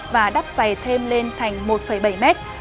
và đắp dày thêm lên thành một bảy mét